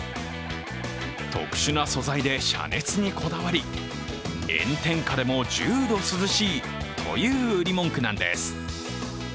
特殊な素材で遮熱にこだわり炎天下でも１０度涼しいという売り文句なんです。